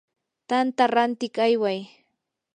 tanta rantiq ayway.